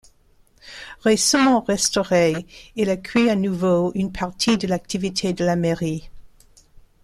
Récemment restauré, il accueille à nouveau une partie de l'activité de la mairie.